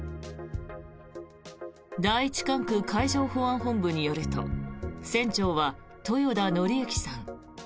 第一管区海上保安本部によると船長は豊田徳幸さん。